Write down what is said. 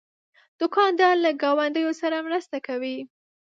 دوکاندار له ګاونډیانو سره مرسته کوي.